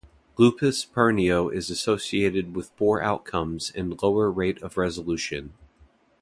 Lupus pernio is associated with poor outcomes and lower rate of resolution.